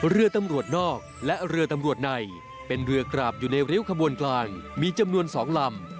เรือตำรวจนอกและเรือตำรวจในเป็นเรือกราบอยู่ในริ้วขบวนกลางมีจำนวน๒ลำ